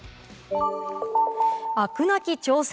飽くなき挑戦！